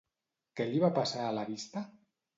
Què li va passar a la vista?